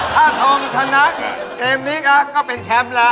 ถ้าโทงชนะเกมนี้ก็เป็นแชมป์ละ